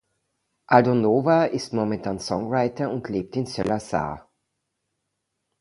Aldo Nova ist momentan Songwriter und lebt in Saint-Lazare.